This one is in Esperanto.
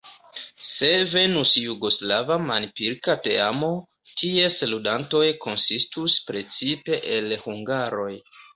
Se venus jugoslava manpilka teamo, ties ludantoj konsistus precipe el hungaroj.